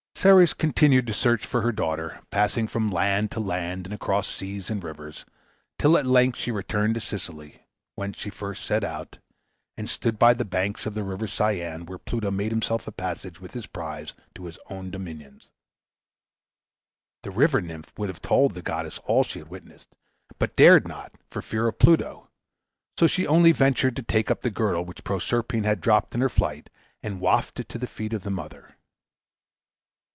Ceres continued her search for her daughter, passing from land to land, and across seas and rivers, till at length she returned to Sicily, whence she at first set out, and stood by the banks of the River Cyane, where Pluto made himself a passage with his prize to his own dominions. The river nymph would have told the goddess all she had witnessed, but dared not, for fear of Pluto; so she only ventured to take up the girdle which Proserpine had dropped in her flight, and waft it to the feet of the mother.